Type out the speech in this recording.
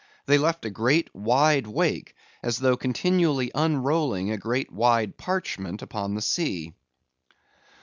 They left a great, wide wake, as though continually unrolling a great wide parchment upon the sea.